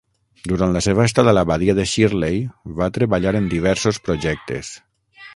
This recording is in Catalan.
Durant la seva estada a la badia de Shirley, va treballar en diversos projectes.